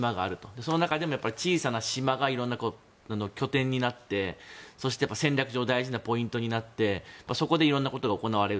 その中でも小さな島が色んな拠点になってそして戦略上大事なポイントになってそこで色々なことが行われる。